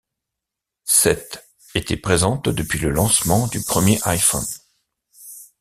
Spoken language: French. Cette était présente depuis le lancement du premier iPhone.